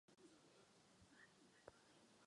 Chtěl bych získat více informací.